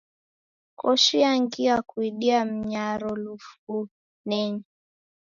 Koshi yangia kuidia mnyaro luvunenyi.